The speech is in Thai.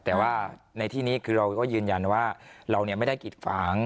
แต่ว่าในที่นี้คือเราก็ยืนยันว่าเราไม่ได้กิดฝาง